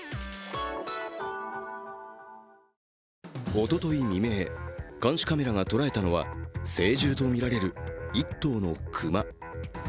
おととい未明、監視カメラが捉えたのは成獣とみられる１頭の熊。